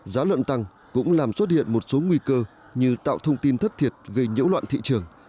giá lợn tăng cũng làm xuất hiện một số nguy cơ như tạo thông tin thất thiệt gây nhiễu loạn thị trường